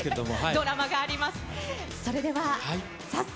ドラマがあります。